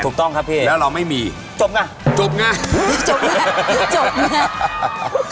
ถูกต้องครับพี่แล้วเราไม่มีจบง่ะจบง่ะจบง่ะจบง่ะ